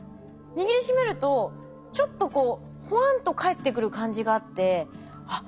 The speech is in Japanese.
握りしめるとちょっとこうホワンと返ってくる感じがあってあっ